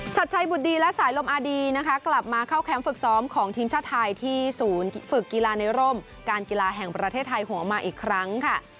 ชัดชัยบุตรดีและสายลมอาดีนะคะกลับมาเข้าแคมป์ฝึกซ้อมของทีมชาติไทยที่ศูนย์ฝึกกีฬาในร่มการกีฬาแห่งประเทศไทยหัวมาอีกครั้งค่ะ